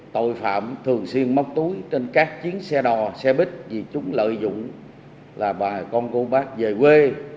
tội phạm thường xuyên móc túi trên các chiến xe đò xe buýt vì chúng lợi dụng là bà con cô bác về quê